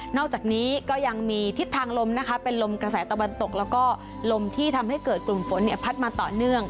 อกจากนี้ก็ยังมีทิศทางลมนะคะเป็นลมกระแสตะวันตกแล้วก็ลมที่ทำให้เกิดกลุ่มฝนพัดมาต่อเนื่อง